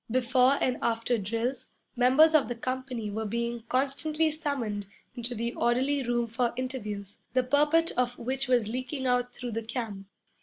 Before and after drills, members of the company were being constantly summoned into the orderly room for interviews, the purport of which was leaking out through the camp.